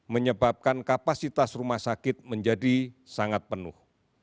menyebabkan kapasitas rumah sakit menjadi sangat penuh